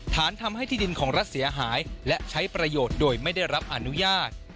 ฐานทำให้ที่ดินของรัฐเสียหายและใช้ประโยชน์โดยไม่ได้รับอนุญาต